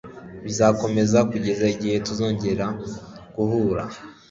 Bizakomeza kugeza igihe tuzongera guhura